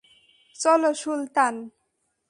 চলো, সুলতান।